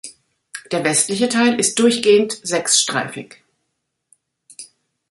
Der westliche Teil ist durchgehend sechsstreifig.